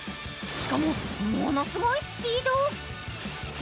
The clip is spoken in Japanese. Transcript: しかも、ものすごいスピード。